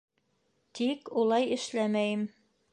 Тик улай эшләмәйем.